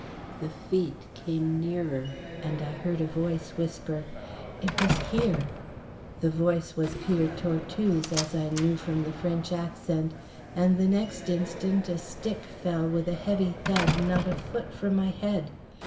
The feet came nearer, and I heard a voice whisper: "It was here." The voice was Peter Tortue's, as I knew from the French accent, and the next instant a stick fell with a heavy thud not a foot from my head.